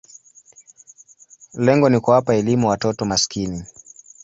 Lengo ni kuwapa elimu watoto maskini.